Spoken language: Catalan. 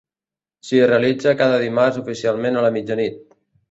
S'hi realitza cada dimarts oficialment a la mitjanit.